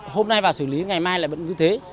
hôm nay vào xử lý ngày mai lại vẫn như thế